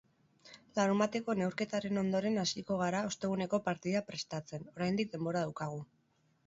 Larunbateko neurketaren ondoren hasiko gara osteguneko partida prestatzen, oraindik denbora daukagu.